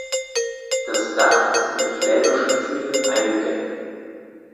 Das Dach ist mit flämischen Ziegeln eingedeckt.